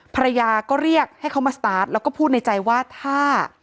ภรรยาก็เรียกให้เขามาสตาร์ทแล้วก็พูดในใจว่าถ้า